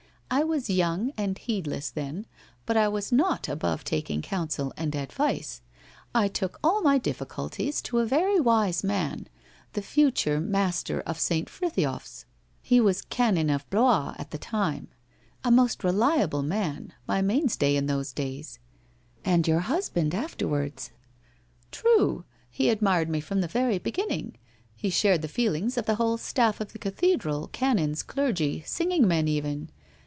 I was young and heedless then, but I was not above taking counsel and advice. I took all my difficulties to a WHITE ROSE OF WEARY LEAF 187 very wise man, the future master of St. Frithiof s — he was Canon of Blois at that time. A most reliable man, my mainstay in those days '' And your husband afterwards.' ' True. He admired me from the very beginning. He shared the feelings of the whole staff of the cathedral, canons, clergy, singing men even.